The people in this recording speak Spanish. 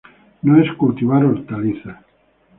No es cultivar hortalizas.